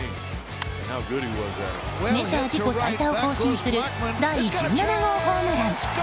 メジャー自己最多を更新する第１７号ホームラン！